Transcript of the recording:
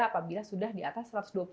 apabila sudah di atas satu ratus dua puluh